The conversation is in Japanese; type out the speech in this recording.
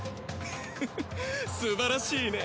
フフッすばらしいね。